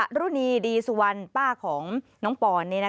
รุณีดีสุวรรณป้าของน้องปอน